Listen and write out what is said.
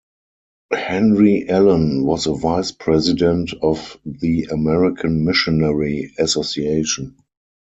Henry Allon was a vice-president of the American Missionary Association.